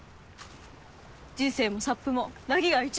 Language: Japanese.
人生もサップもなぎが一番。